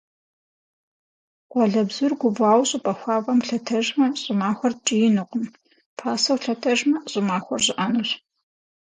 Къуалэбзур гувауэ щӏыпӏэ хуабэм лъэтэжмэ, щӏымахуэр ткӏиинукъым, пасэу лъэтэжмэ, щӏымахуэр щӏыӏэнущ.